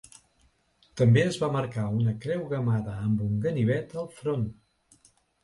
També es va marcar una creu gammada amb un ganivet al front.